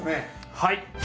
はい！